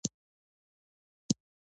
آیا عضوي سره د غنمو حاصل زیاتوي؟